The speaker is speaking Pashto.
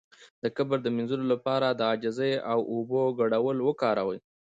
د کبر د مینځلو لپاره د عاجزۍ او اوبو ګډول وکاروئ